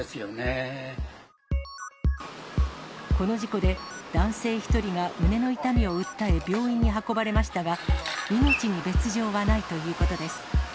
この事故で、男性１人が胸の痛みを訴え、病院に運ばれましたが、命に別状はないということです。